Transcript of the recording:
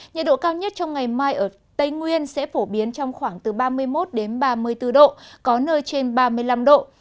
nhiệt độ cao nhất trong ngày mai ở tây nguyên sẽ phổ biến trong khoảng từ ba mươi một đến ba mươi bốn độ có nơi trên ba mươi năm độ